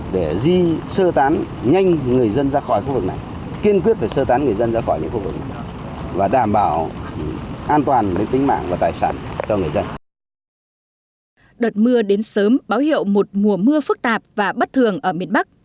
đợt mưa đến sớm báo hiệu một mùa mưa phức tạp và bất thường ở miền bắc